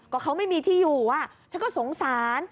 ก็เขาไม่มีที่อยู่ฉันก็สงสาร